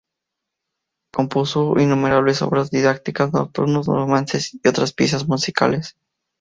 Compuso innumerables obras didácticas, nocturnos, romances y otras piezas musicales.